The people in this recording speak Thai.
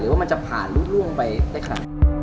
หรือว่ามันจะผ่านรุ่นล่วงไปได้ค่ะ